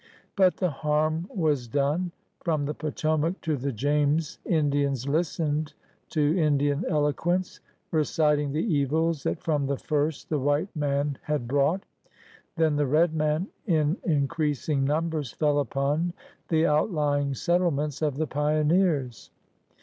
But the harm was done. From the Potomac to the James Indians listened to Indian eloquence, reciting the evils that from the first the white man had brought. Then the red man, in increasing numbers, fell upon the outlying settlements of the pioneers.